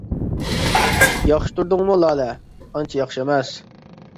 -ياخشى تۇردۇڭمۇ لالە؟ -ئانچە ياخشى ئەمەس.